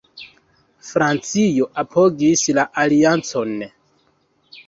Francio apogis la aliancon.